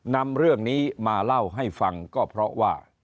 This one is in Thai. นำเรื่องนี้มาเล่าให้ฟังก็เพราะว่า